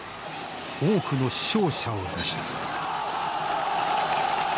多くの死傷者を出した。